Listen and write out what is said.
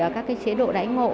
các chế độ đáy ngộ